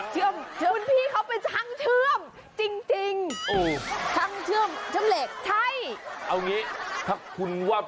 เชื่อมจริงหรอ